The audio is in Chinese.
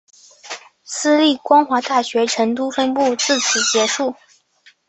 私立光华大学成都分部自此结束。